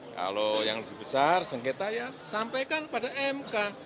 kalau yang lebih besar sengketa ya sampaikan pada mk